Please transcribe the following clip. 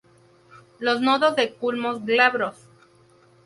Los nodos de culmos glabros.